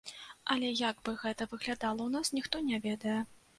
Але як бы гэта выглядала ў нас, ніхто не ведае.